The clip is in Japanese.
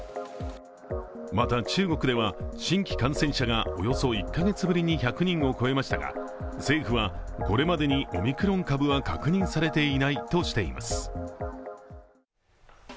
また、中国では新規感染者がおよそ１カ月ぶりに１００人を超えましたが政府はこれまでにオミクロン株は確認されていないとしています。